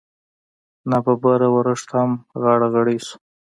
نا ببره ورښت هم غاړه غړۍ شو.